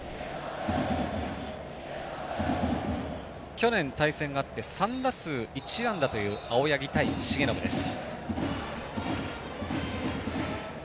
去年、対戦があって３打数１安打という青柳対重信です。